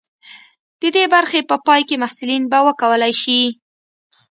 د دې برخې په پای کې محصلین به وکولی شي.